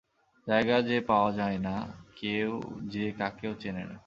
জায়গা যে পাওয়া যায় না, কেউ যে কাকেও চেনে না।